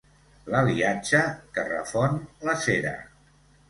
L'aliatge que refon la cera.